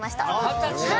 二十歳だ！